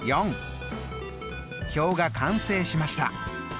表が完成しました。